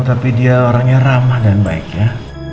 tapi dia orangnya ramah dan baik ya